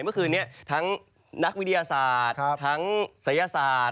เมื่อคืนนี้ทั้งนักวิทยาศาสตร์ทั้งศัยศาสตร์